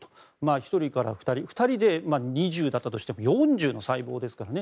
１人から２人で２０だったとしても４０の細胞ですからね。